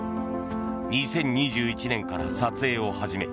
２０２１年から撮影を始め